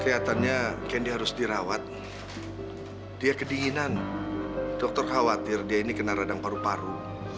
kelihatannya kendi harus dirawat dia kedinginan dokter khawatir dia ini kena radang paru paru